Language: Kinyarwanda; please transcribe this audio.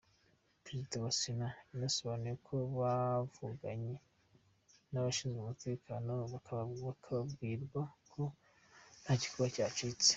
Perezida wa Sena yasobanuye ko bavuganye n’abashinzwe umutekano bakabwirwa ko nta gikuba cyacitse.